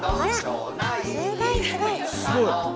すごいすごい！